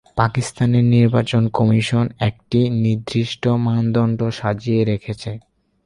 পাকিস্তানের নির্বাচন কমিশন একটি নির্দিষ্ট মানদণ্ড সাজিয়ে রেখেছে।